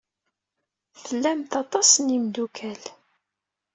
Tlamt aṭas n yimeddukal.